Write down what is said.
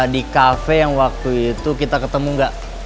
di cafe yang waktu itu kita ketemu gak